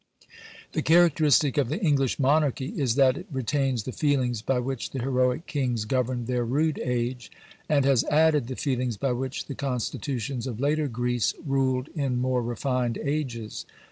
The characteristic of the English Monarchy is that it retains the feelings by which the heroic kings governed their rude age, and has added the feelings by which the Constitutions of later Greece ruled in more refined ages.